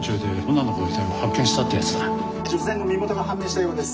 「女性の身元が判明したようです。